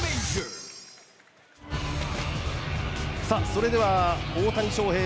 それでは大谷翔平